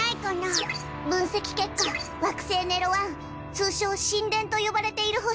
通称「神殿」と呼ばれている星です。